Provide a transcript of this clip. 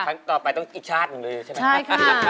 คลั้งต่อไปต้องเอิชาศหนึ่งเลยใช่มั้ย